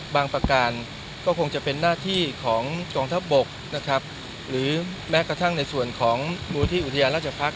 ประการก็คงจะเป็นหน้าที่ของกองทัพบกนะครับหรือแม้กระทั่งในส่วนของมูลที่อุทยานราชพักษ